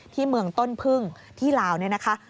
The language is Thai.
ที่เมืองต้นพึ่งที่ลาวเนี่ยนะคะ